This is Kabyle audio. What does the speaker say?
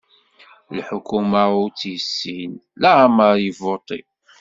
Lḥukuma ur tt-yessin, laɛmer yebbuṭi.